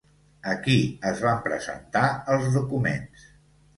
A qui es van presentar els documents?